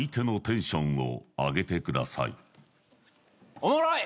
おもろい！